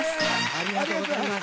ありがとうございます。